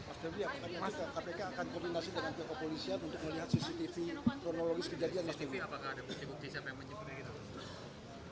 apakah ada kebukti kebukti yang menyebutkan kepolisian untuk melihat cctv kronologis kejadian cctv